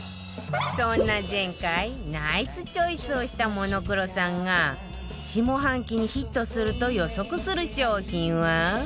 そんな前回ナイスチョイスをした『モノクロ』さんが下半期にヒットすると予測する商品は